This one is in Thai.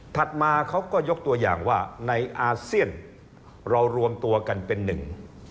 มาเขาก็ยกตัวอย่างว่าในอาเซียนเรารวมตัวกันเป็นหนึ่ง